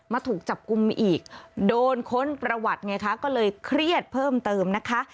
ถูกจับกลุ่มอีกโดนค้นประวัติไงคะก็เลยเครียดเพิ่มเติมนะคะ